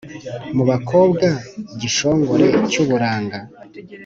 mu bakobwa gishongore cyuburanga?"